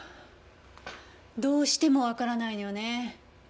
どうしてもわからないのよね。